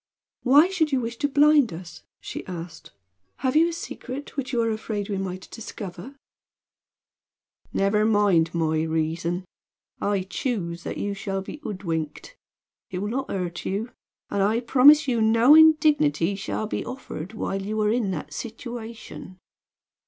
"Why should you wish to blind us?" she asked. "Have you a secret which you are afraid we might discover?" "Never mind my reason. I choose that you shall be hoodwinked. It will not hurt you; and I promise you no indignity shall be offered while you are in that situation."